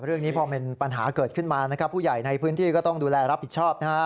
เรื่องนี้พอเป็นปัญหาเกิดขึ้นมานะครับผู้ใหญ่ในพื้นที่ก็ต้องดูแลรับผิดชอบนะฮะ